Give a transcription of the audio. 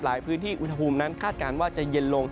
พื้นที่อุณหภูมินั้นคาดการณ์ว่าจะเย็นลง